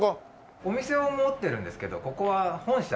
お店を持ってるんですけどここは本社というか。